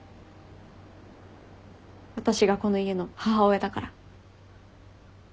私がこの家の母親だから。